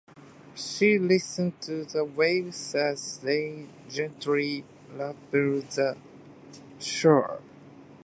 She listened to the waves as they gently lapped the shore.